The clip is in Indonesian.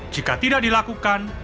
jika tidak dilakukan